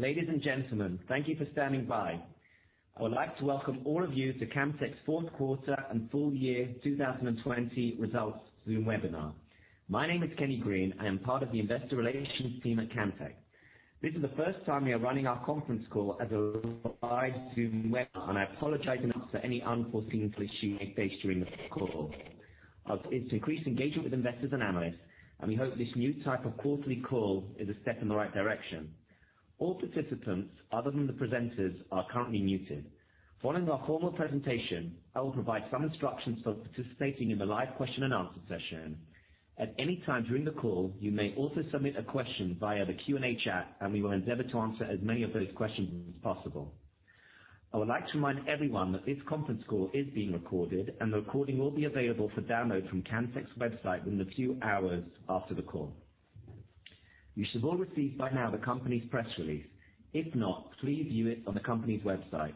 Ladies and gentlemen, thank you for standing by. I would like to welcome all of you to Camtek's fourth quarter and full-year 2020 Results Zoom Webinar. My name is Kenny Green. I am part of the Investor Relations team at Camtek. This is the first time we are running our conference call as a live Zoom webinar, and I apologize in advance for any unforeseen issues you may face during the call. It's increased engagement with investors and analysts, and we hope this new type of quarterly call is a step in the right direction. All participants other than the presenters are currently muted. Following our formal presentation, I will provide some instructions for participating in the live question-and-answer session. At any time during the call, you may also submit a question via the Q&A chat, and we will endeavor to answer as many of those questions as possible. I would like to remind everyone that this conference call is being recorded, and the recording will be available for download from Camtek's website within a few hours after the call. You should have all received by now the company's press release. If not, please view it on the company's website.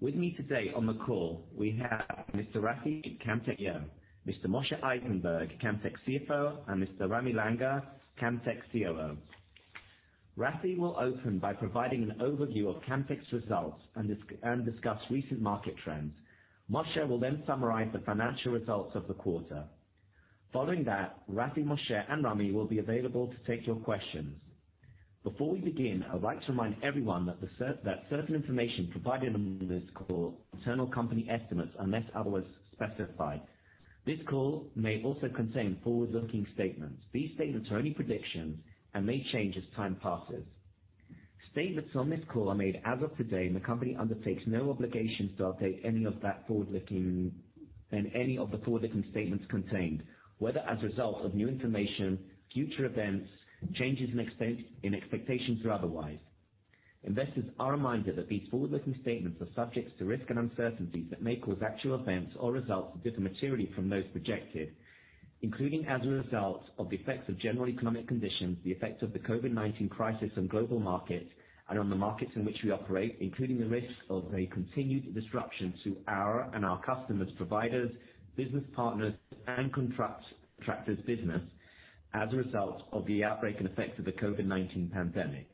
With me today on the call, we have Mr. Rafi Amit, Mr. Moshe Eisenberg, Camtek CFO, and Mr. Ramy Langer, Camtek COO. Rafi will open by providing an overview of Camtek's results and discuss recent market trends. Moshe will then summarize the financial results of the quarter. Following that, Rafi, Moshe, and Ramy will be available to take your questions. Before we begin, I would like to remind everyone that certain information provided on this call are internal company estimates, unless otherwise specified. This call may also contain forward-looking statements. These statements are only predictions and may change as time passes. Statements on this call are made as of today, and the company undertakes no obligation to update any of the forward-looking statements contained, whether as a result of new information, future events, changes in expectations or otherwise. Investors are reminded that these forward-looking statements are subject to risks and uncertainties that may cause actual events or results to differ materially from those projected, including as a result of the effects of general economic conditions, the effect of the COVID-19 crisis on global markets and on the markets in which we operate, including the risk of a continued disruption to our and our customers', providers, business partners and contractors' business as a result of the outbreak and effects of the COVID-19 pandemic.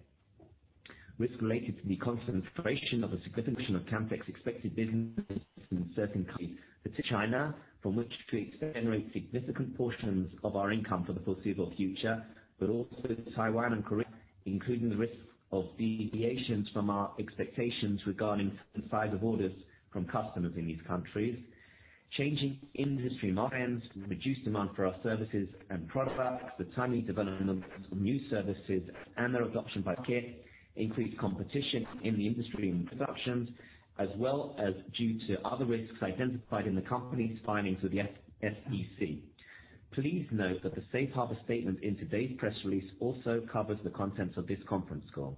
Risk related to the concentration of a significant portion of Camtek's expected business in certain countries, particularly China, from which we generate significant portions of our income for the foreseeable future, but also Taiwan and Korea, including the risk of deviations from our expectations regarding size of orders from customers in these countries. Changing industry margins, reduced demand for our services and products, the timely development of new services and their adoption by market, increased competition in the industry and the reductions as well as due to other risks identified in the company's filings with the SEC. Please note that the Safe Harbor statement in today's press release also covers the contents of this conference call.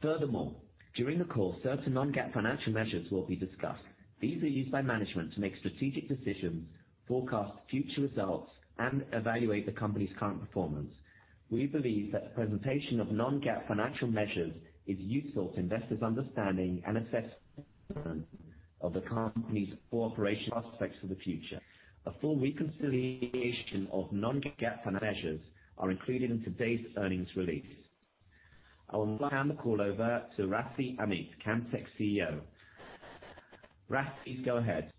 Furthermore, during the call, certain non-GAAP financial measures will be discussed. These are used by management to make strategic decisions, forecast future results, and evaluate the company's current performance. We believe that the presentation of non-GAAP financial measures is useful to investors' understanding and assessment of the company's core operational aspects for the future. A full reconciliation of non-GAAP financial measures are included in today's earnings release. I will now hand the call over to Rafi Amit, Camtek CEO. Rafi, go ahead.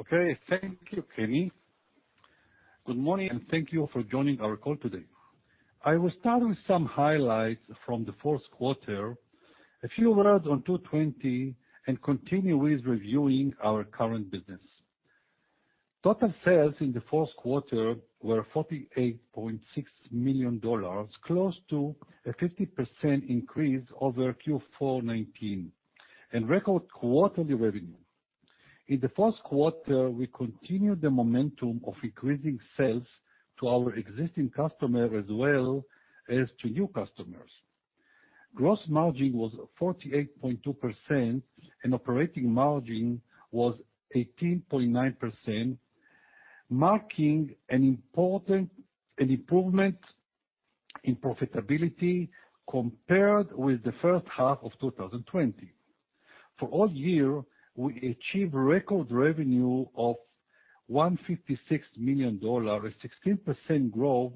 Okay. Thank you, Kenny. Good morning, and thank you for joining our call today. I will start with some highlights from the fourth quarter, a few words on 2020, and continue with reviewing our current business. Total sales in the fourth quarter were $48.6 million, close to a 50% increase over Q4 2019, and record quarterly revenue. In the fourth quarter, we continued the momentum of increasing sales to our existing customers as well as to new customers. Gross margin was 48.2%, and operating margin was 18.9%, marking an improvement in profitability compared with the first half of 2020. For all year, we achieved record revenue of $156 million, a 16% growth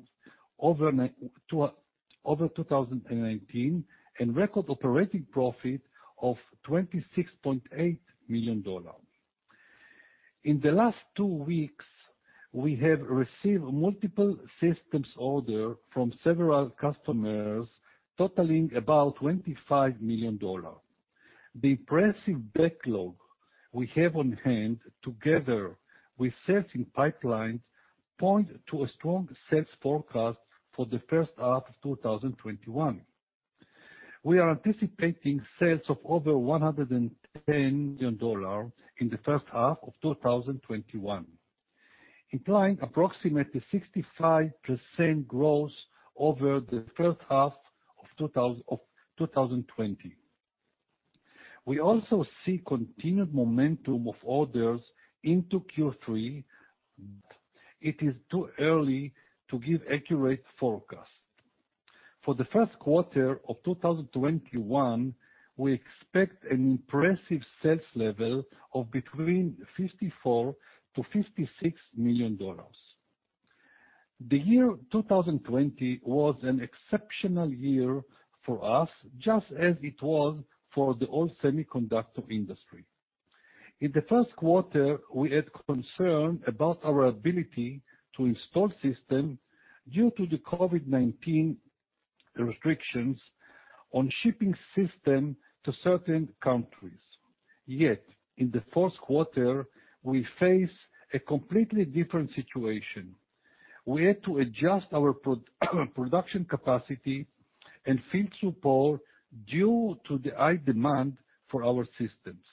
over 2019, and record operating profit of $26.8 million. In the last two weeks, we have received multiple systems order from several customers totaling about $25 million. The impressive backlog we have on hand, together with sales in pipeline, point to a strong sales forecast for the first half of 2021. We are anticipating sales of over $110 million in the first half of 2021, implying approximately 65% growth over the first half of 2020. We also see continued momentum of orders into Q3. It is too early to give accurate forecast. For the first quarter of 2021, we expect an impressive sales level of between $54 million-$56 million. The year 2020 was an exceptional year for us, just as it was for the whole semiconductor industry. In the first quarter, we had concern about our ability to install system due to the COVID-19 restrictions on shipping system to certain countries. In the fourth quarter, we face a completely different situation. We had to adjust our production capacity and field support due to the high demand for our systems.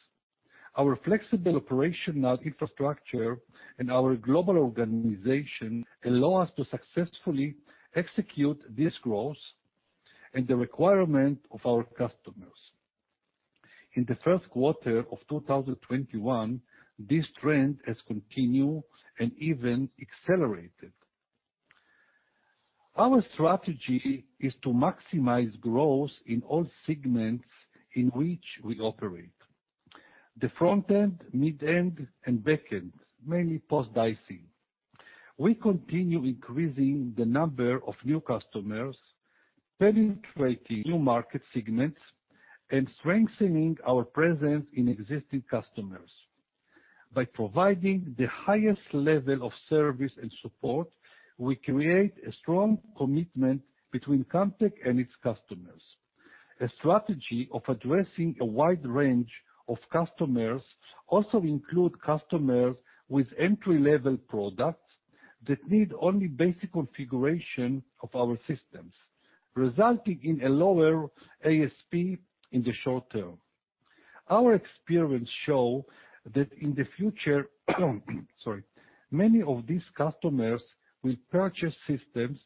Our flexible operational infrastructure and our global organization allow us to successfully execute this growth and the requirement of our customers. In the first quarter of 2021, this trend has continued and even accelerated. Our strategy is to maximize growth in all segments in which we operate. The front-end, mid-end, and back-end, mainly post-dicing. We continue increasing the number of new customers, penetrating new market segments, and strengthening our presence in existing customers. By providing the highest level of service and support, we create a strong commitment between Camtek and its customers. A strategy of addressing a wide range of customers also include customers with entry-level products that need only basic configuration of our systems, resulting in a lower ASP in the short-tern. Our experience shows that in the future, sorry, many of these customers will purchase systems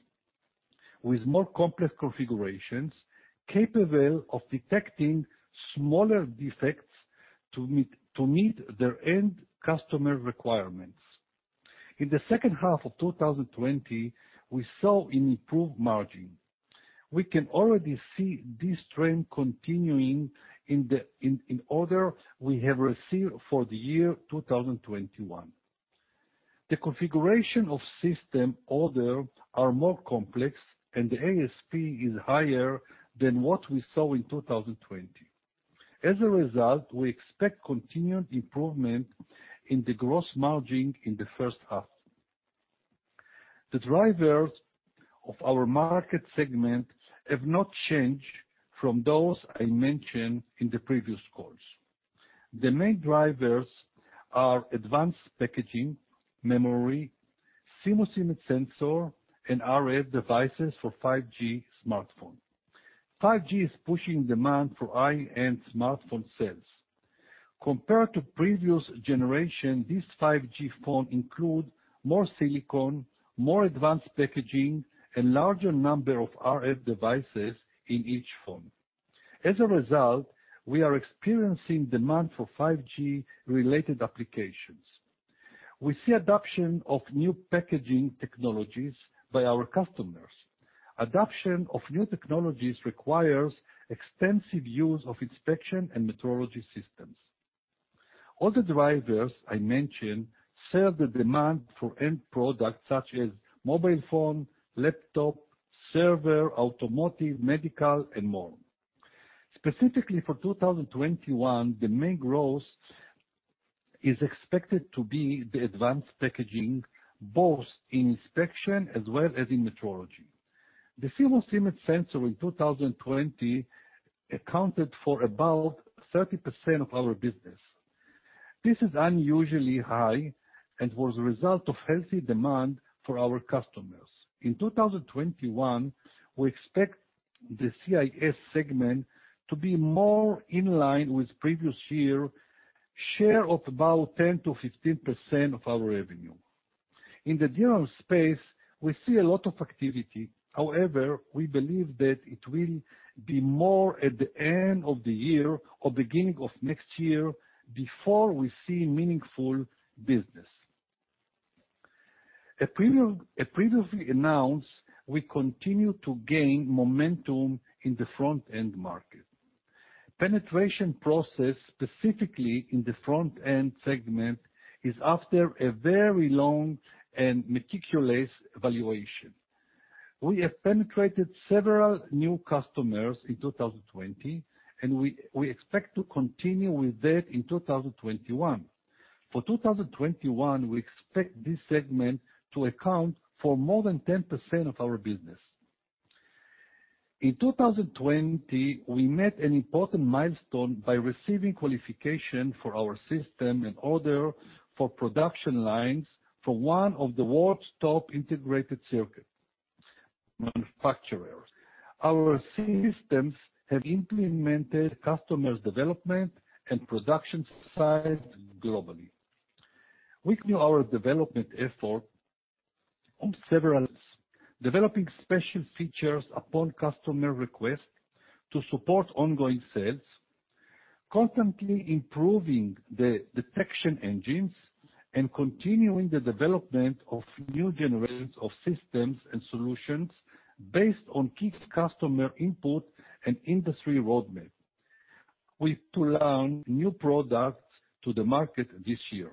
with more complex configurations, capable of detecting smaller defects to meet their end customer requirements. In the second half of 2020, we saw an improved margin. We can already see this trend continuing in orders we have received for the year 2021. The configuration of system orders are more complex, and the ASP is higher than what we saw in 2020. As a result, we expect continued improvement in the gross margin in the first half. The drivers of our market segment have not changed from those I mentioned in the previous calls. The main drivers are advanced packaging, memory, CMOS image sensor, and RF devices for 5G smartphone. 5G is pushing demand for high-end smartphone sales. Compared to previous generation, this 5G phone include more silicon, more advanced packaging, and larger number of RF devices in each phone. As a result, we are experiencing demand for 5G-related applications. We see adoption of new packaging technologies by our customers. Adoption of new technologies requires extensive use of inspection and metrology systems. All the drivers I mentioned serve the demand for end products such as mobile phone, laptop, server, automotive, medical, and more. Specifically for 2021, the main growth is expected to be the advanced packaging, both in inspection as well as in metrology. The CMOS image sensor in 2020 accounted for about 30% of our business. This is unusually high and was a result of healthy demand for our customers. In 2021, we expect the CIS segment to be more in line with previous year, share of about 10%-15% of our revenue. We believe that it will be more at the end of the year or beginning of next year before we see meaningful business. As previously announced, we continue to gain momentum in the front-end market. Penetration process, specifically in the front-end segment, is after a very long and meticulous evaluation. We have penetrated several new customers in 2020, and we expect to continue with that in 2021. For 2021, we expect this segment to account for more than 10% of our business. In 2020, we met an important milestone by receiving qualification for our system and order for production lines for one of the world's top integrated circuit manufacturers. Our systems have implemented customers' development and production sites globally. We grew our development effort on several, developing special features upon customer request to support ongoing sales, constantly improving the detection engines, and continuing the development of new generations of systems and solutions based on key customer input and industry roadmap. With two long new products to the market this year,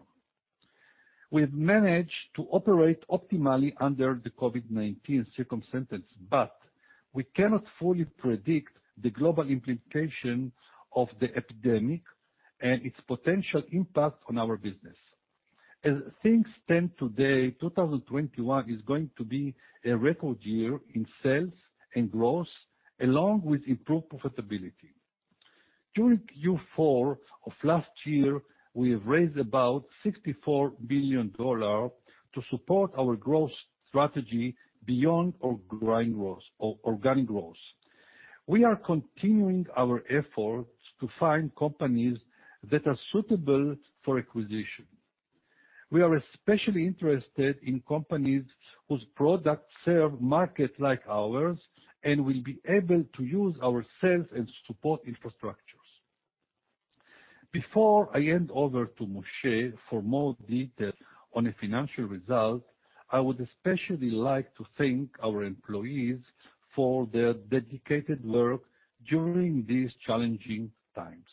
we've managed to operate optimally under the COVID-19 circumstances, but we cannot fully predict the global implication of the epidemic and its potential impact on our business. As things stand today, 2021 is going to be a record year in sales and growth, along with improved profitability. During Q4 of last year, we have raised about $64 billion to support our growth strategy beyond organic growth. We are continuing our efforts to find companies that are suitable for acquisition. We are especially interested in companies whose products serve markets like ours and will be able to use our sales and support infrastructures. Before I hand over to Moshe for more details on the financial result, I would especially like to thank our employees for their dedicated work during these challenging times.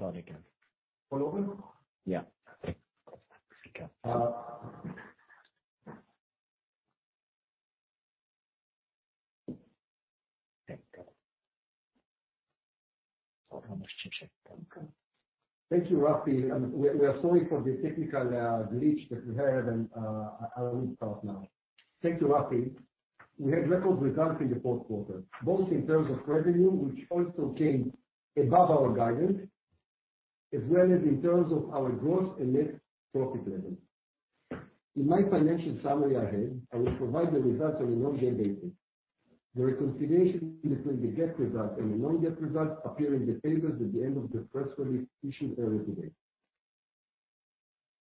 Moshe? Try it again. All over? Yeah. Okay. Thank you, Rafi. We are sorry for the technical glitch that we had, and I will start now. Thank you, Rafi. We had record results in the fourth quarter, both in terms of revenue, which also came above our guidance, as well as in terms of our gross and net profit levels. In my financial summary ahead, I will provide the results on a non-GAAP basis. The reconciliation between the GAAP results and the non-GAAP results appear in the tables at the end of the press release issued earlier today.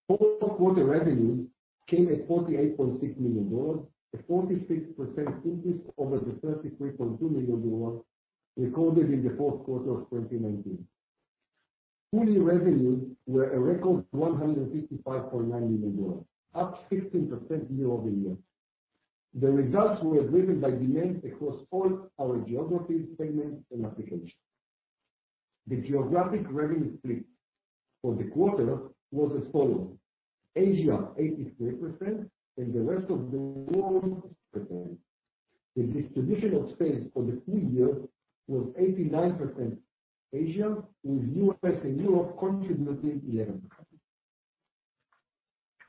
Fourth quarter revenues came at $48.6 million, a 46% increase over the $33.2 million recorded in the fourth quarter of 2019. Full-year revenues were a record $155.9 million, up 15% year-over-year. The results were driven by demand across all our geographies, segments, and applications. The geographic revenue split for the quarter was as follows: Asia, 83%, and the rest of the world, 17%. The distribution of sales for the full year was 89% Asia, with U.S. and Europe contributing 11%.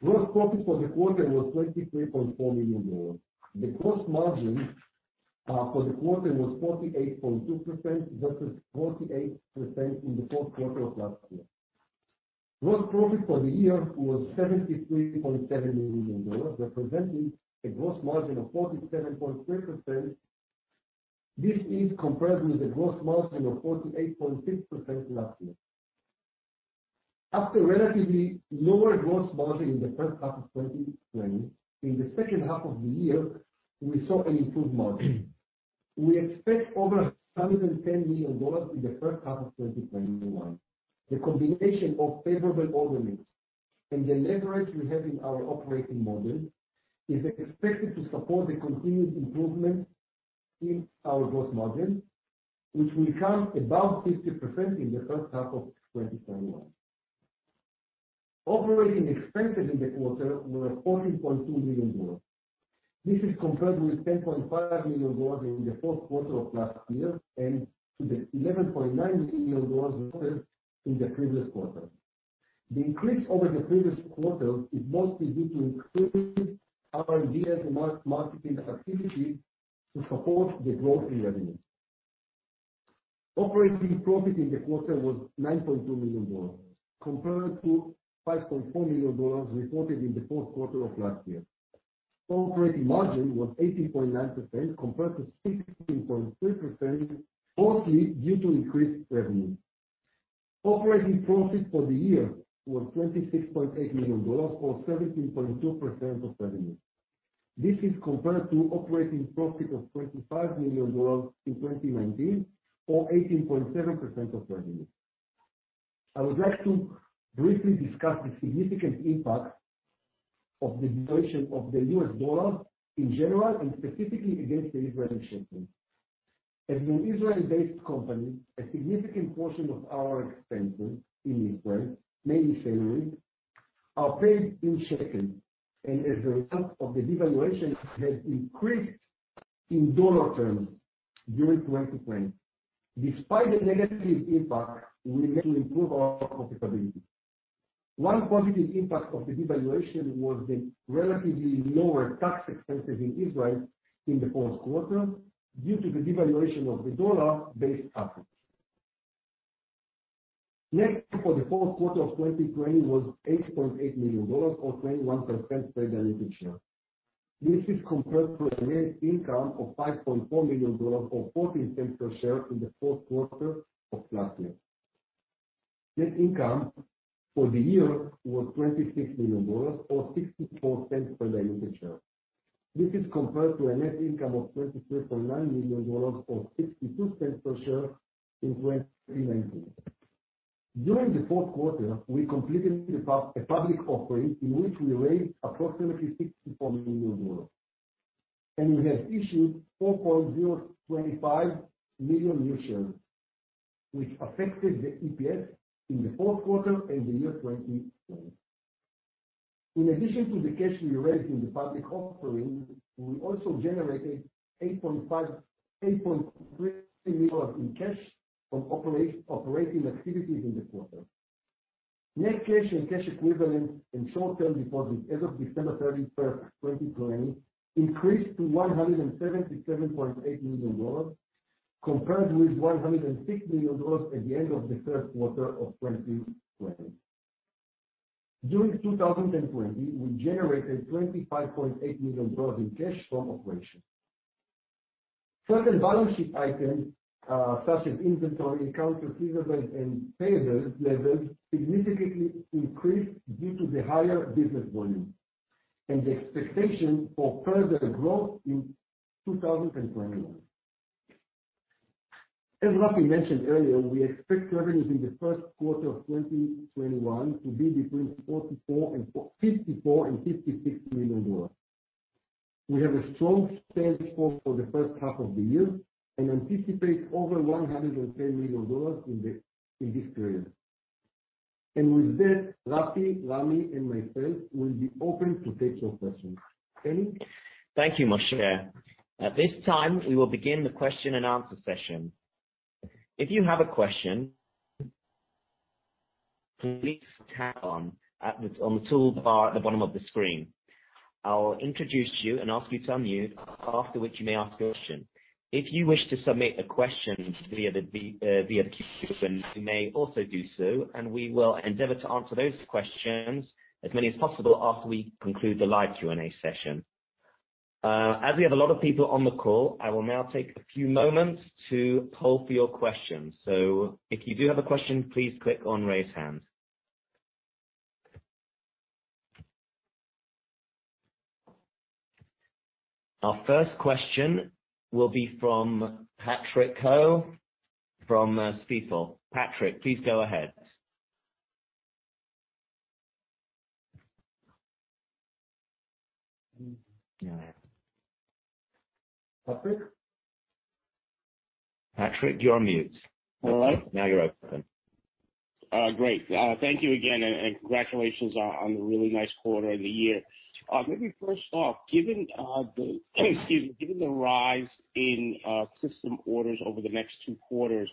Gross profit for the quarter was $23.4 million. The gross margin for the quarter was 48.2%, versus 48% in the fourth quarter of last year. Gross profit for the year was $73.7 million, representing a gross margin of 47.3%. This is compared with a gross margin of 48.6% last year. After a relatively lower gross margin in the first half of 2020, in the second half of the year, we saw an improved margin. We expect over $110 million in the first half of 2021. The combination of favorable order mix and the leverage we have in our operating model is expected to support the continued improvement in our gross margin, which will come above 50% in the first half of 2021. Operating expenses in the quarter were $14.2 million. This is compared with $10.5 million in the fourth quarter of last year and to the $11.9 million in the previous quarter. The increase over the previous quarter is mostly due to increased R&D and marketing activity to support the growth in revenue. Operating profit in the quarter was $9.2 million, compared to $5.4 million reported in the fourth quarter of last year. Operating margin was 18.9% compared to 16.3%, mostly due to increased revenue. Operating profit for the year was $26.8 million or 17.2% of revenue. This is compared to operating profit of $25 million in 2019 or 18.7% of revenue. I would like to briefly discuss the significant impact of the deviation of the US dollar in general and specifically against the Israeli shekel. As an Israel-based company, a significant portion of our expenses in Israel, mainly salary, are paid in ILS, and as a result of the devaluation, have increased in USD terms during 2020. Despite the negative impact, we managed to improve our profitability. One positive impact of the devaluation was the relatively lower tax expenses in Israel in the fourth quarter due to the devaluation of the USD-based assets. Net for the fourth quarter of 2020 was $8.8 million, or $0.21 per diluted share. This is compared to a net income of $5.4 million or $0.14 per share in the fourth quarter of last year. Net income for the year was $26 million or $0.64 per diluted share. This is compared to a net income of $23.9 million or $0.62 per share in 2019. During the fourth quarter, we completed a public offering in which we raised approximately $64 million, we have issued 4.025 million new shares, which affected the EPS in the fourth quarter and the year 2020. In addition to the cash we raised in the public offering, we also generated $8.3 million in cash from operating activities in the quarter. Net cash and cash equivalents and short-term deposits as of December 31st, 2020, increased to $177.8 million, compared with $106 million at the end of the third quarter of 2020. During 2020, we generated $25.8 million in cash from operations. Certain balance sheet items, such as inventory, accounts receivable, and payables levels significantly increased due to the higher business volume and the expectation for further growth in 2021. As Rafi mentioned earlier, we expect revenues in the first quarter of 2021 to be between $54 million and $56 million. We have a strong sales force for the first half of the year and anticipate over $110 million in this period. With that, Rafi, Ramy, and myself will be open to take your questions. Kenny? Thank you, Moshe. At this time, we will begin the question-and-answer session. If you have a question, please tap on the toolbar at the bottom of the screen. I'll introduce you and ask you to unmute, after which you may ask your question. If you wish to submit a question via the Q&A function, you may also do so. We will endeavor to answer those questions, as many as possible, after we conclude the live Q&A session. As we have a lot of people on the call, I will now take a few moments to poll for your questions. If you do have a question, please click on Raise Hand. Our first question will be from Patrick Ho from Stifel. Patrick, please go ahead. Patrick? Patrick, you're on mute. Hello? Now you're open. Great. Thank you again, and congratulations on the really nice quarter and the year. Maybe first off, given the rise in system orders over the next two quarters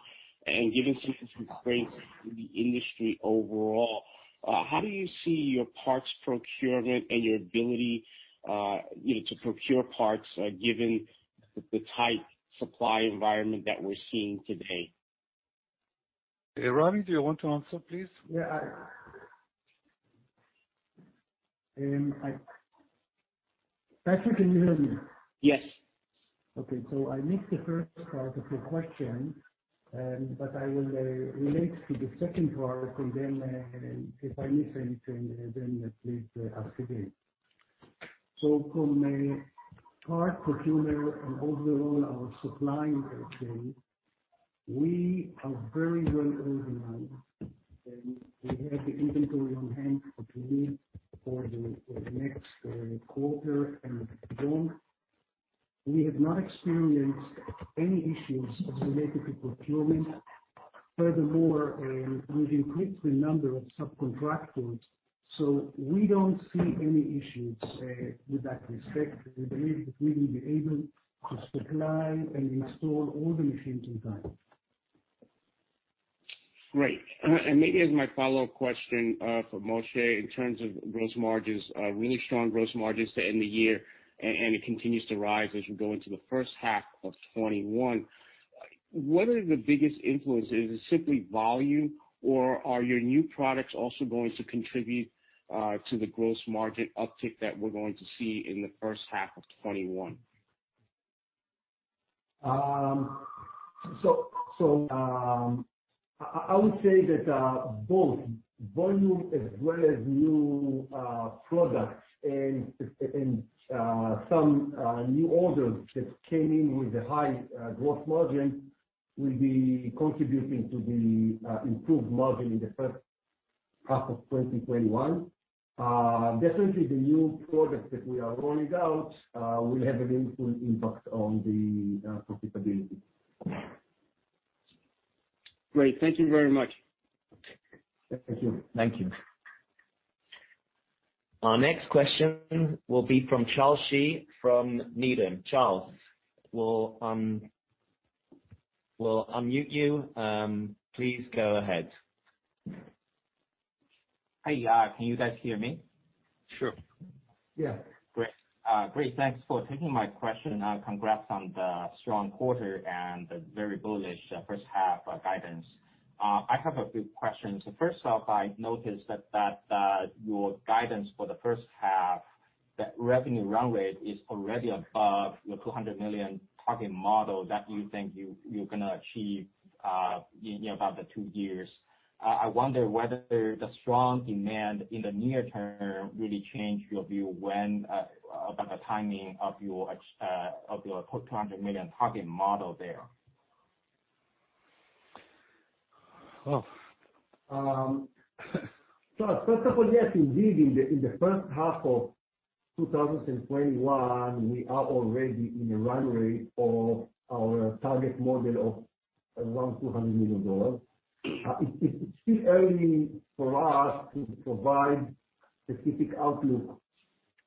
and given some constraints in the industry overall, how do you see your parts procurement and your ability to procure parts given the tight supply environment that we're seeing today? Ramy, do you want to answer, please? Yeah. Patrick, can you hear me? Yes. Okay. I missed the first part of your question, but I will relate to the second part, and then if I miss anything, then please ask again. From a parts procurement and overall our supply chain, we are very well organized, and we have the inventory on hand for delivery for the next quarter and beyond. We have not experienced any issues related to procurement. Furthermore, we've increased the number of subcontractors, so we don't see any issues with that respect. We believe that we will be able to supply and install all the machines in time. Great. Maybe as my follow-up question for Moshe, in terms of gross margins, really strong gross margins to end the year, and it continues to rise as you go into the first half of 2021. What are the biggest influences? Is it simply volume, or are your new products also going to contribute to the gross margin uptick that we're going to see in the first half of 2021? I would say that both volume as well as new products and some new orders that came in with the high gross margin will be contributing to the improved margin in the first half of 2021. Definitely the new products that we are rolling out will have an influence, impact on the profitability. Great. Thank you very much. Thank you. Our next question will be from Charles Shi from Needham. Charles, we'll unmute you. Please go ahead. Hi. Can you guys hear me? Sure. Yeah. Great. Thanks for taking my question. Congrats on the strong quarter and the very bullish first half guidance. I have a few questions. First off, I noticed that your guidance for the first half, that revenue run rate is already above the $200 million target model that you think you're going to achieve in about the two years. I wonder whether the strong demand in the near-term really changed your view about the timing of your $200 million target model there. First of all, yes, indeed, in the first half of 2021, we are already in a run rate of our target model of around $200 million. It's still early for us to provide specific outlook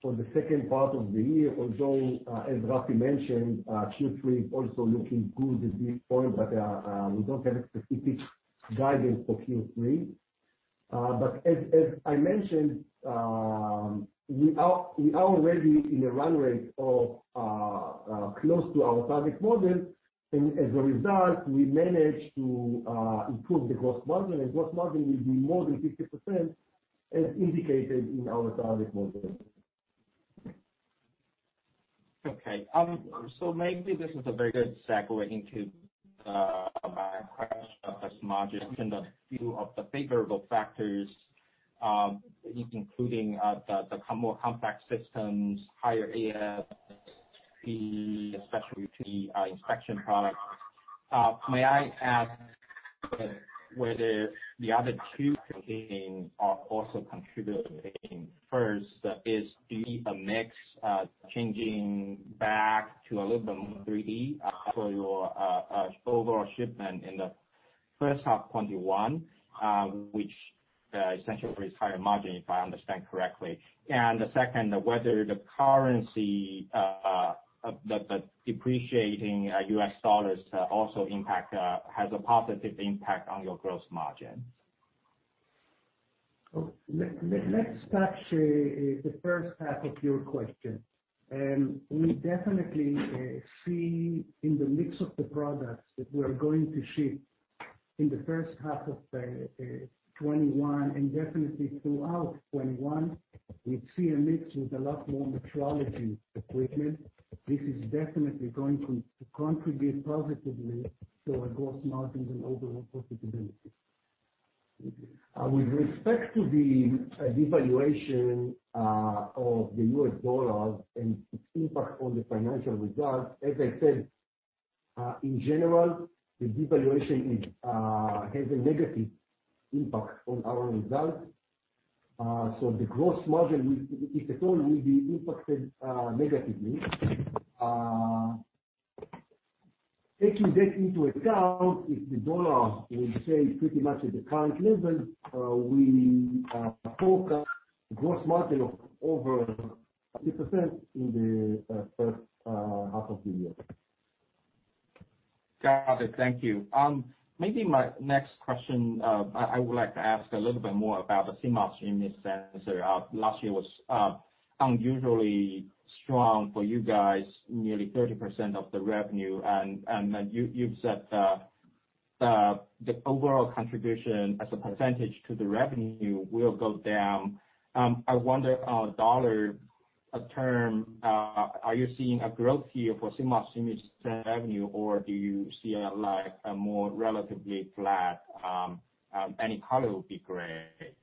for the second part of the year, although, as Rafi mentioned, Q3 also looking good at this point. We don't have a specific guidance for Q3. As I mentioned, we are already in a run rate of close to our target model. As a result, we managed to improve the gross margin, and gross margin will be more than 50%, as indicated in our target model. Okay. Maybe this is a very good segue into my question of gross margin, given a few of the favorable factors, including the more compact systems, higher ASP, the specialty-inspection products. May I ask whether the other two containing are also contributing? First is, do you see the mix changing back to a little bit more 3D for your overall shipment in the first half 2021, which essentially brings higher margin, if I understand correctly. The second, whether the currency, the depreciating U.S. dollars, also has a positive impact on your gross margin. Let's touch the first half of your question. We definitely see in the mix of the products that we are going to ship in the first half of 2021, and definitely throughout 2021, we see a mix with a lot more metrology equipment. This is definitely going to contribute positively to our gross margins and overall profitability. With respect to the devaluation of the U.S. dollar and its impact on the financial results, as I said, in general, the devaluation has a negative impact on our results. The gross margin, if at all, will be impacted negatively. Taking that into account, if the dollar will stay pretty much at the current level, we forecast gross margin of over 50% in the first half of the year. Got it. Thank you. Maybe my next question, I would like to ask a little bit more about the CMOS image sensor. Last year was unusually strong for you guys, nearly 30% of the revenue. You've said the overall contribution as a percentage to the revenue will go down. I wonder dollar term, are you seeing a growth here for CMOS image revenue, or do you see a more relatively flat? Any color would be great.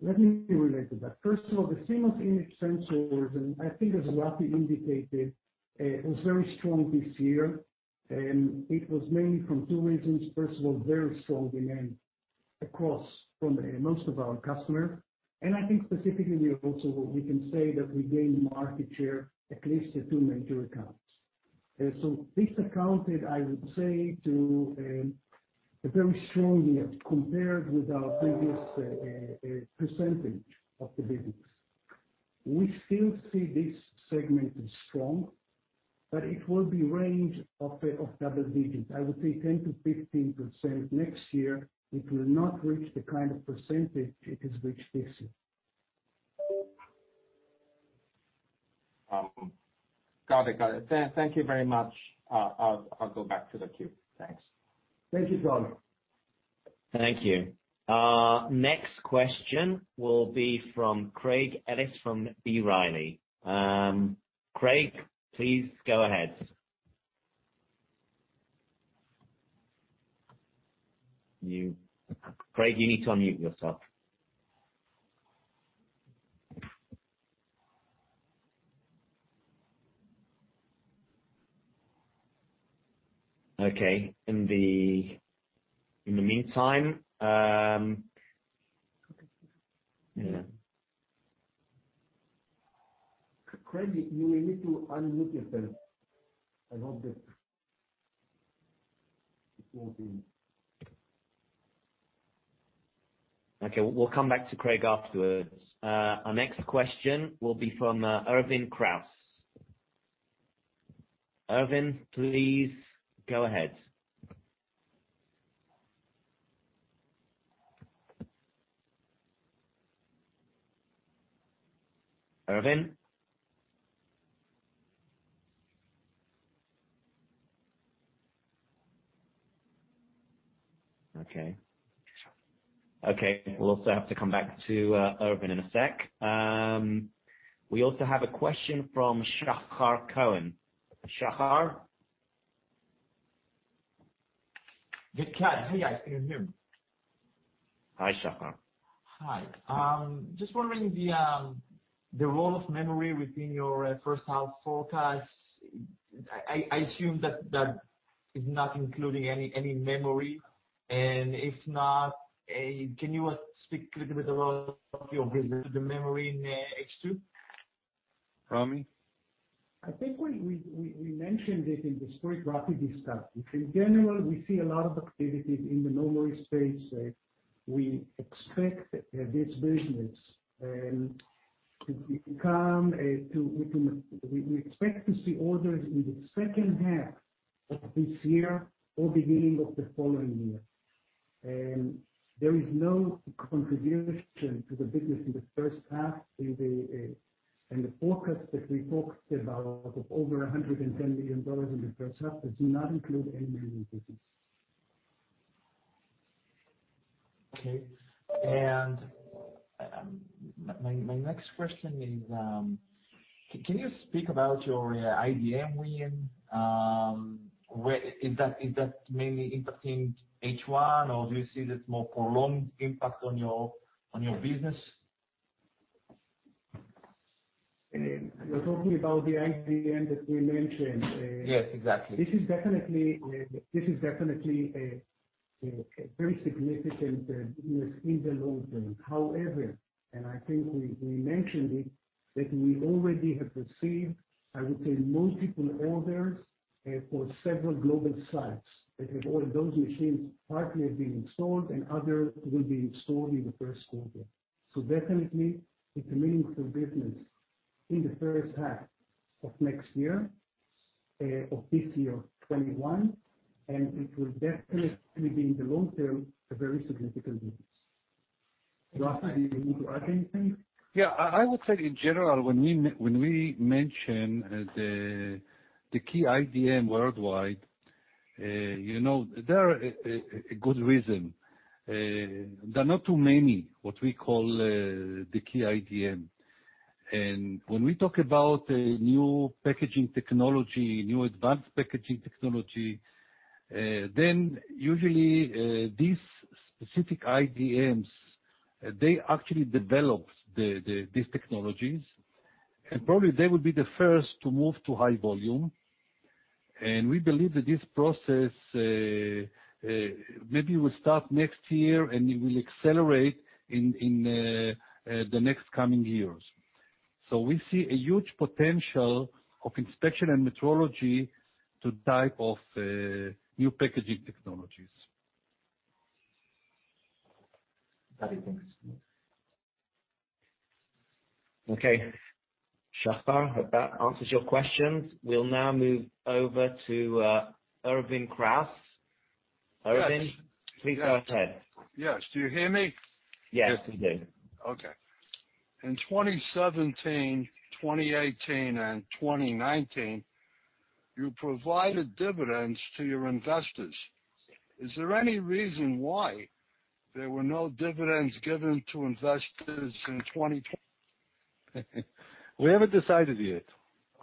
Let me relate to that. First of all, the CMOS image sensors, and I think as Rafi indicated, it was very strong this year. It was mainly from two reasons. First of all, very strong demand across from most of our customers. I think specifically also we can say that we gained market share, at least the two major accounts. This accounted, I would say, to a very strong year compared with our previous percentage of the business. We still see this segment as strong, it will be range of double-Adigits. I would say 10%-15% next year. It will not reach the kind of percentage it has reached this year. Got it. Thank you very much. I'll go back to the queue. Thanks. Thank you, Charles. Thank you. Next question will be from Craig Ellis from B. Riley. Craig, please go ahead. Craig, you need to unmute yourself. Okay. In the meantime Craig, you will need to unmute yourself. I hope that it will be. Okay. We'll come back to Craig afterwards. Our next question will be from Irvine Kraus. Irvine, please go ahead. Irvine? Okay. We'll also have to come back to Irvine in a sec. We also have a question from Shahar Cohen. Shahar? Yes, hi. I can hear. Hi, Shahar. Hi. Just wondering the role of memory within your first half forecast. I assume that is not including any memory. If not, can you speak a little bit about your business, the memory in H2? Ramy? I think we mentioned it in the straight graphic discuss. In general, we see a lot of activities in the memory space. We expect this business to become-- We expect to see orders in the second half of this year or beginning of the following year. There is no contribution to the business in the first half, and the forecast that we talked about of over $110 million in the first half does not include any memory business. Okay. My next question is, can you speak about your IDM win? Is that mainly impacting H1 or do you see this more prolonged impact on your business? You're talking about the IDM that we mentioned? Yes, exactly. This is definitely a very significant business in the long-term. However, and I think we mentioned it, that we already have received, I would say, multiple orders for several global sites that have all those machines partly are being installed and others will be installed in the first quarter. Definitely, it's a meaningful business in the first half of next year, of this year, 2021, and it will definitely be, in the long-term, a very significant business. Rafi, do you need to add anything? Yeah. I would say, in general, when we mention the key IDM worldwide, there are a good reason. There are not too many what we call the key IDM. When we talk about a new packaging technology, new advanced packaging technology, then usually, these specific IDMs, they actually develop these technologies, and probably they would be the first to move to high volume. We believe that this process, maybe will start next year, and it will accelerate in the next coming years. We see a huge potential of inspection and metrology to two type of new packaging technologies. Thank you. Okay. Shahar, I hope that answers your questions. We'll now move over to Irvine Kraus. Irvine, please go ahead. Yes. Do you hear me? Yes, we do. Okay. In 2017, 2018, and 2019, you provided dividends to your investors. Is there any reason why there were no dividends given to investors in 2020? We haven't decided yet.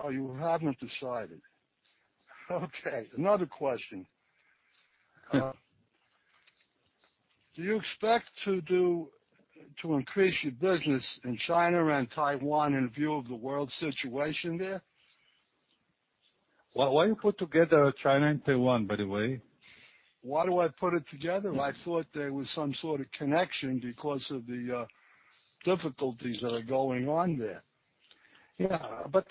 Oh, you haven't decided. Okay. Another question. Yeah. Do you expect to increase your business in China and Taiwan in view of the world situation there? Why you put together China and Taiwan, by the way? Why do I put it together? I thought there was some sort of connection because of the difficulties that are going on there. Yeah.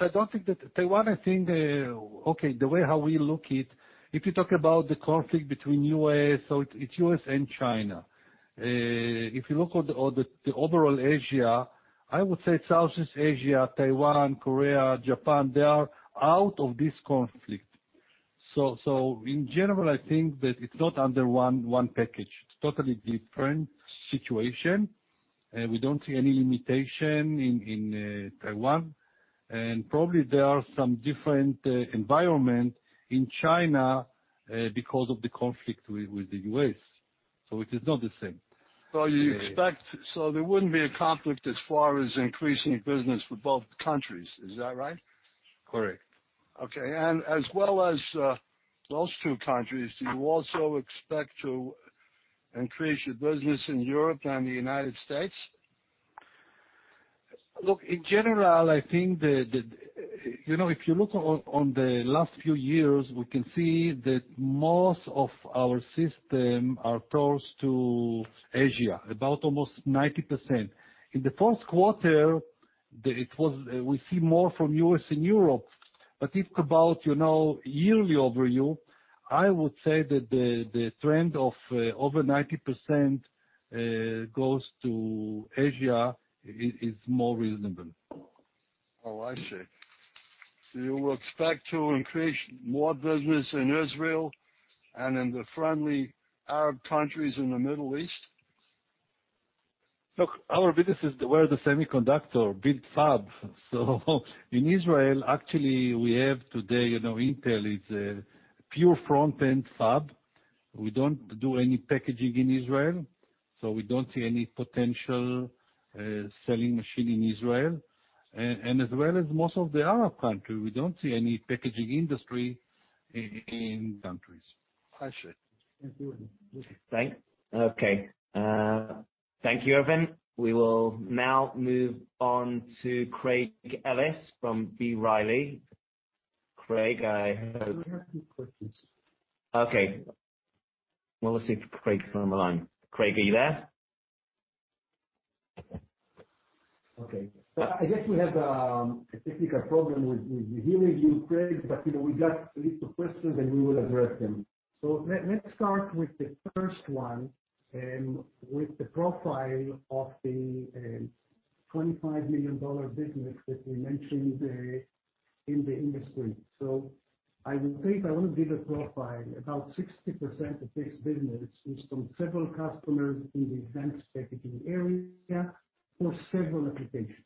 I don't think that Taiwan, I think the way how we look it, if you talk about the conflict between U.S., it's U.S. and China. If you look at the overall Asia, I would say Southeast Asia, Taiwan, Korea, Japan, they are out of this conflict. In general, I think that it's not under one package. It's totally different situation. We don't see any limitation in Taiwan. Probably there are some different environment in China, because of the conflict with the U.S. It is not the same. There wouldn't be a conflict as far as increasing business with both countries, is that right? Correct. Okay. As well as those two countries, do you also expect to increase your business in Europe and the United States? Look, in general, I think if you look on the last few years, we can see that most of our system are towards Asia, about almost 90%. In the first quarter, we see more from U.S. and Europe. If about yearly overview, I would say that the trend of over 90% goes to Asia is more reasonable. Oh, I see. You expect to increase more business in Israel and in the friendly Arab countries in the Middle East? Look, our businesses, we're the semiconductor build fab. In Israel, actually, we have today, Intel is a pure front-end fab. We don't do any packaging in Israel, so we don't see any potential selling machine in Israel. As well as most of the Arab country, we don't see any packaging industry in countries. I see. Thank you. Okay. Thank you, Irvine. We will now move on to Craig Ellis from B. Riley. Craig, I hope- We have some questions. Okay. Well, let's see if Craig is on the line. Craig, are you there? Okay. I guess we have a technical problem with hearing you, Craig, but we got a list of questions, and we will address them. Let's start with the first one, with the profile of the $25 million business that we mentioned in the industry. I would say if I want to give a profile, about 60% of this business is from several customers in the advanced packaging area for several applications.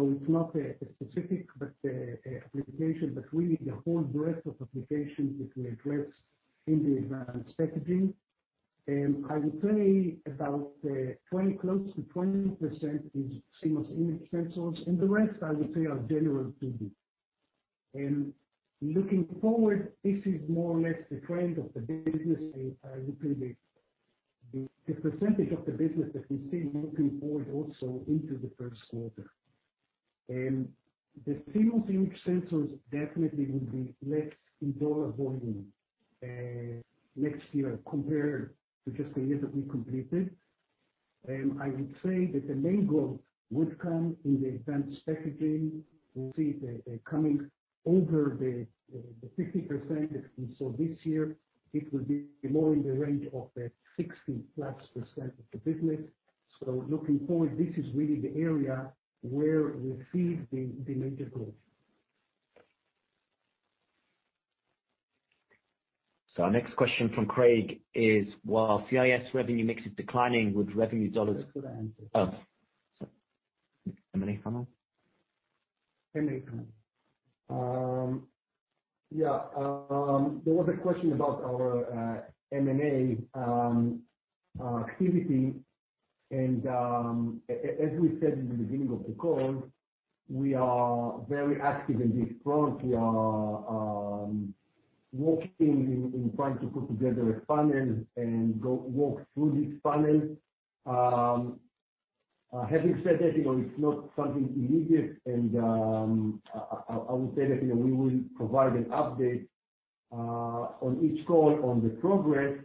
It's not a specific application, but really the whole breadth of applications that we address in the advanced packaging. I would say about close to 20% is CMOS image sensors, and the rest, I would say, are general 2D. Looking forward, this is more or less the trend of the business, I would say the percentage of the business that we see moving forward also into the first quarter. The CMOS image sensors definitely will be less in dollar-volume next year compared to just the year that we completed. I would say that the main growth would come in the advanced packaging. We see they're coming over the 50% that we saw this year. It will be more in the range of the 60-plus% of the business. Looking forward, this is really the area where we see the major growth. Our next question from Craig is: while CIS revenue mix is declining, would revenue dollars. That's what I answered. Oh. M&A follow? M&A follow. Yeah. There was a question about our M&A activity, and as we said in the beginning of the call, we are very active in this front. We are working in trying to put together a funnel and walk through this funnel. Having said that, it's not something immediate, and I would say that we will provide an update on each call on the progress,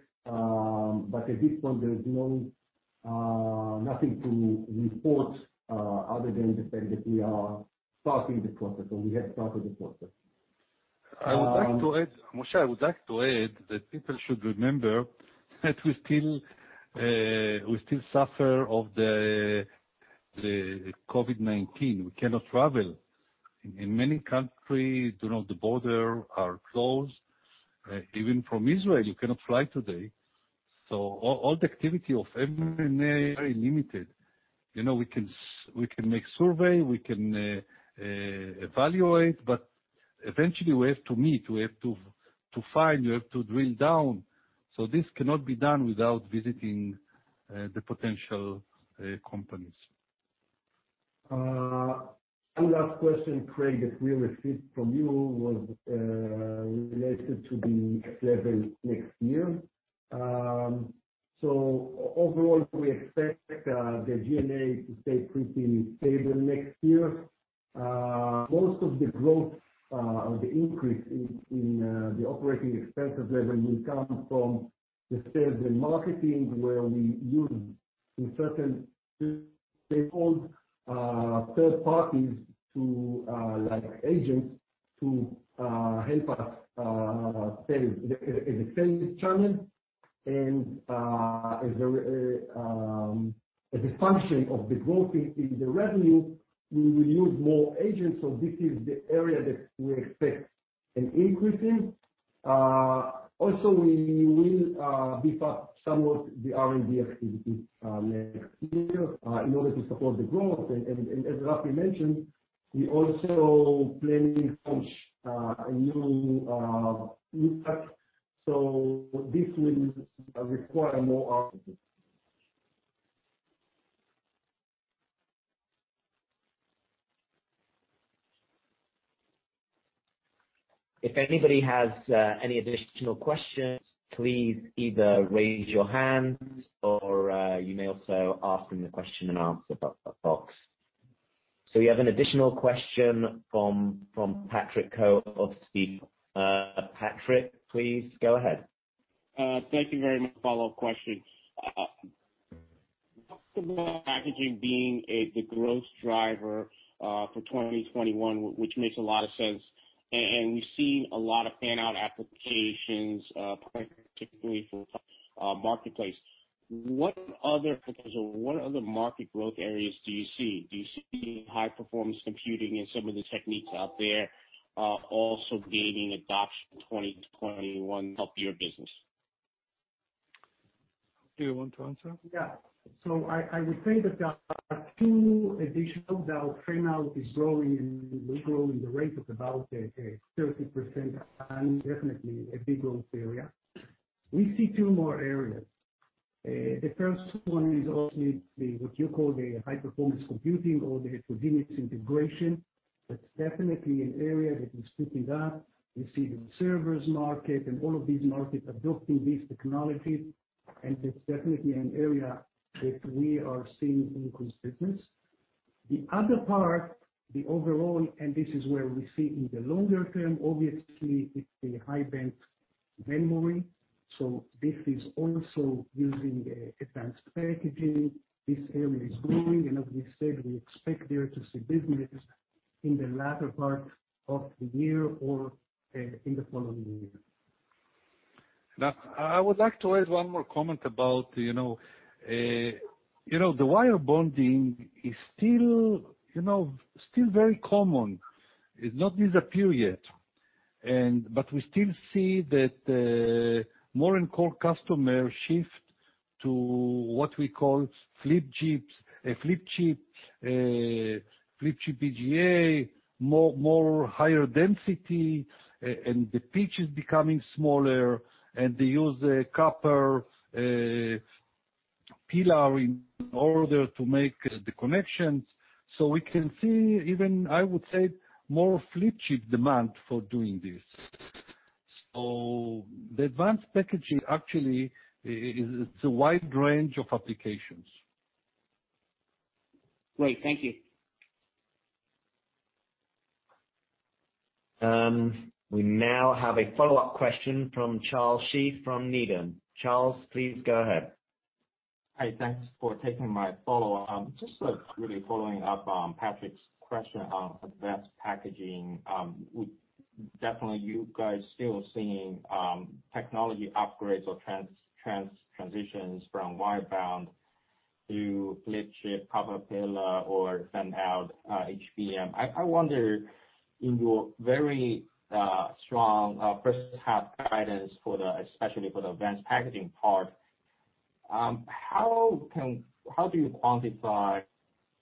but at this point, there's nothing to report other than the fact that we are starting the process, or we have started the process. Moshe, I would like to add that people should remember that we still suffer of the COVID-19. We cannot travel. In many countries, the border are closed. Even from Israel, you cannot fly today. All the activity of M&A are limited. We can make survey, we can evaluate, but eventually, we have to meet, we have to find, we have to drill down. This cannot be done without visiting the potential companies. One last question, Craig, that we received from you was related to the F-level next year. Overall, we expect the G&A to stay pretty stable next year. Most of the growth or the increase in the operating expenses level will come from the sales and marketing, where we use, in certain they call third parties, like agents, to help us in the sales channel. As a function of the growth in the revenue, we will use more agents. This is the area that we expect an increase in. Also, we will beef up somewhat the R&D activity next year in order to support the growth. As Rafi mentioned, we also plan to launch a new impact. This will require more output. If anybody has any additional questions, please either raise your hand or you may also ask in the question-and-answer box. We have an additional question from Patrick Ho of Stifel. Patrick, please go ahead. Thank you very much. Follow-up questions. Talking about packaging being the growth driver for 2021, which makes a lot of sense. We've seen a lot of fan-out applications, particularly for marketplace. What other market growth areas do you see? Do you see high-performance computing and some of the techniques out there also gaining adoption in 2021 to help your business? Do you want to answer? I would say that there are two additional, though fan-out is growing, and will grow in the rate of about 30% and definitely a big growth area. We see two more areas. The first one is also what you call the high-performance computing or the heterogeneous integration. That's definitely an area that is picking up. You see the servers market and all of these markets adopting these technologies, and it's definitely an area that we are seeing increased business. The other part, the overall, and this is where we see in the longer-term, obviously, it's the high-bandwidth memory. This is also using advanced packaging. This area is growing. As we said, we expect there to see business in the latter part of the year or in the following year. I would like to raise one more comment about the wire bonding is still very common. It's not disappeared yet. We still see that more and more customers shift to what we call flip chips, flip chip BGA, more higher density, and the pitch is becoming smaller, and they use a copper pillar in order to make the connections. We can see even, I would say, more flip chip demand for doing this. The advanced packaging actually, it's a wide range of applications. Great. Thank you. We now have a follow-up question from Charles Shi from Needham. Charles, please go ahead. Hi, thanks for taking my follow-up. Just really following up on Patrick's question on advanced packaging. Definitely you guys still seeing technology upgrades or transitions from wire bond to flip chip copper pillar or fan-out HBM. I wonder, in your very strong first half guidance, especially for the advanced packaging part, how do you quantify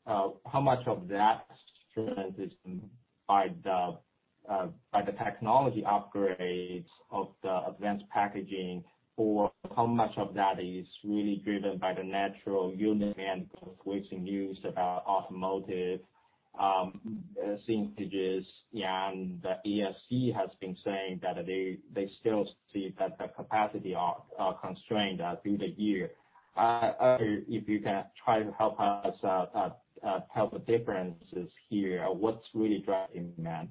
how much of that strength is by the technology upgrades of the advanced packaging? How much of that is really driven by the natural unit end of which you used about automotive percentages? The ESC has been saying that they still see that the capacity are constrained through the year. If you can try to help us tell the differences here, what's really driving demand?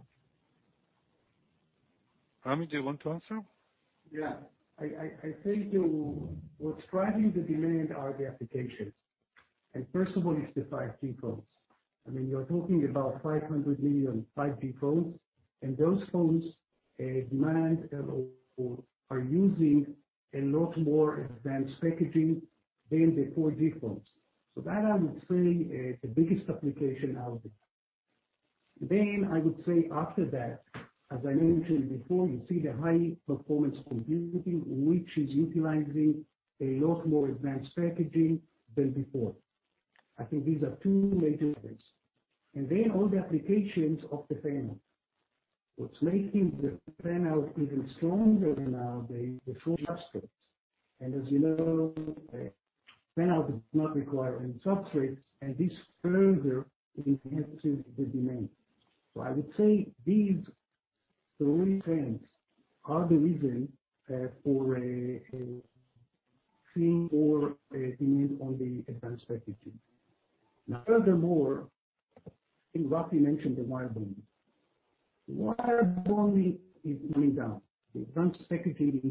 Ramy, do you want to answer? Yeah. I think what's driving the demand are the applications. First of all, it's the 5G phones. You're talking about 500 million 5G phones, and those phones demand or are using a lot more advanced packaging than the 4G phones. That, I would say, is the biggest application out there. I would say after that, as I mentioned before, you see the high performance computing, which is utilizing a lot more advanced packaging than before. I think these are two major things. All the applications of the fan-out. What's making the fan-out even stronger now, the full substrate. As you know, fan-out does not require any substrate, and this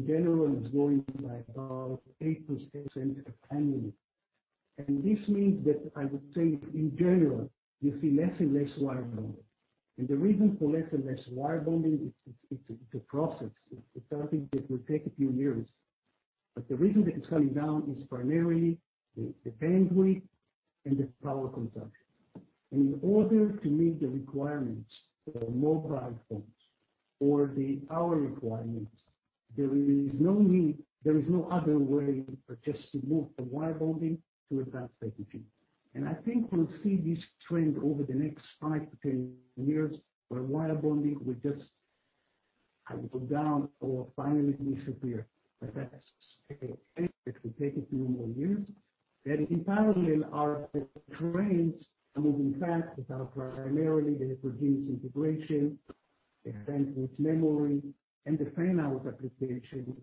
further enhances the demand. I would say these three trends are the reason for seeing more demand on the advanced packaging. Now, furthermore, I think Ramy mentioned the wire bonding. Wire bonding is going down. advanced packaging, in general, is growing by about 8% annually. This means that I would say, in general, you see less and less wire bonding. The reason for less and less wire bonding, it's a process. It's something that will take a few years. The reason that it's coming down is primarily the bandwidth and the power consumption. In order to meet the requirements for mobile phones or the power requirements, there is no other way but just to move the wire bonding to advanced packaging. I think we'll see this trend over the next five to 10 years, where wire bonding will just go down or finally disappear. That's okay. It will take a few more years. In parallel, our trends are moving fast with primarily the heterogeneous integration, advanced packaging and the fan-out applications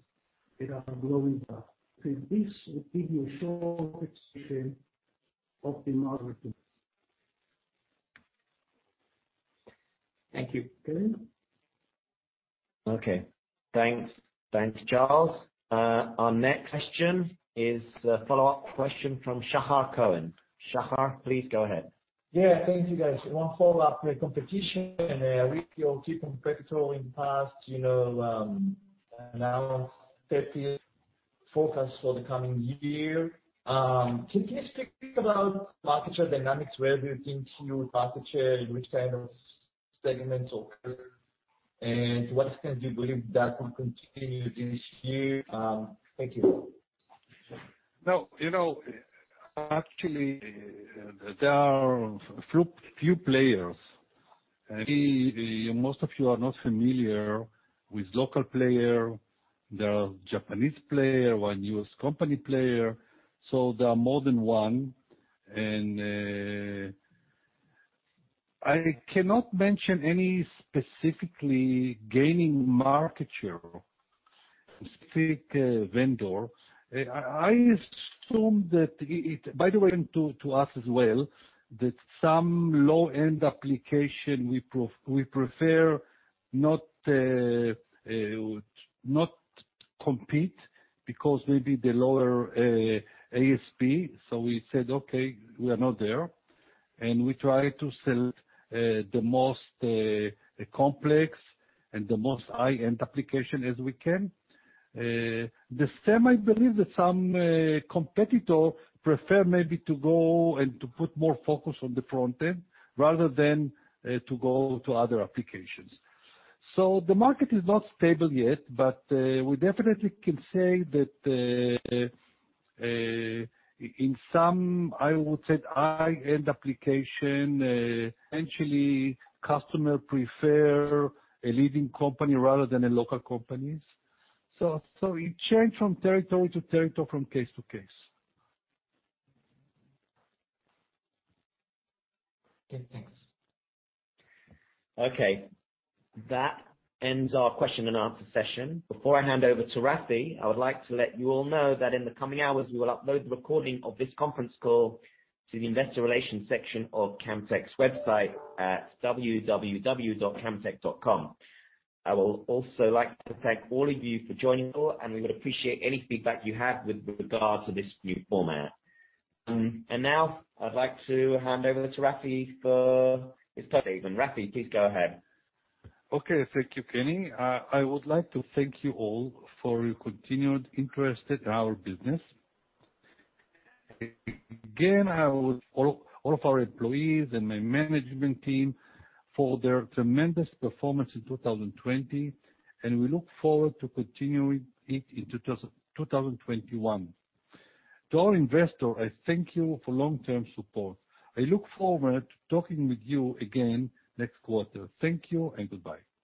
that are blowing up. This will give you a short explanation of the market. Thank you. Okay. Thanks, Charles. Our next question is a follow-up question from Shahar Cohen. Shahar, please go ahead. Yeah, thank you, guys. one follow-up competition with your different competitor in the past, now 30 forecast for the coming year. Can you speak about market share dynamics? Where do you think your market share, which kind of segments occur, and what extent do you believe that will continue this year? No. Actually, there are few players. Most of you are not familiar with local player. There are Japanese player, one U.S. company player. There are more than one. I cannot mention any specifically gaining market share, specific vendor. By the way, to us as well, that some low-end application we prefer not compete because maybe the lower ASP. We said, "Okay, we are not there." We try to sell the most complex and the most high-end application as we can. The same, I believe that some competitor prefer maybe to go and to put more focus on the front-end rather than to go to other applications. The market is not stable yet, but we definitely can say that, in some, I would say high-end application, essentially customer prefer a leading company rather than a local companies. It change from territory to territory, from case to case. Okay, thanks. Okay. That ends our question-and-answer session. Before I hand over to Rafi, I would like to let you all know that in the coming hours, we will upload the recording of this conference call to the investor relations section of Camtek's website at www.camtek.com. I will also like to thank all of you for joining the call, and we would appreciate any feedback you have with regards to this new format. Now I'd like to hand over to Rafi for his closing statements. Rafi, please go ahead. Okay. Thank you, Kenny. I would like to thank you all for your continued interest in our business. All of our employees and my management team for their tremendous performance in 2020, and we look forward to continuing it in 2021. To our investor, I thank you for long-term support. I look forward to talking with you again next quarter. Thank you and goodbye.